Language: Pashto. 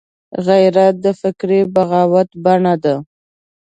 غیرت د فکري بغاوت بڼه ده